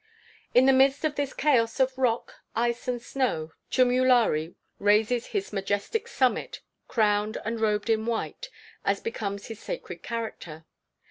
In the midst of this chaos of rock, ice, and snow, Chumulari raises his majestic summit, crowned and robed in white, as becomes his sacred character.